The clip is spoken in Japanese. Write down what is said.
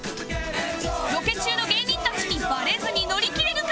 ロケ中の芸人たちにバレずに乗りきれるか？